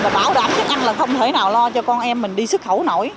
mà bảo đảm chất ăn là không thể nào lo cho con em mình đi xuất khẩu nổi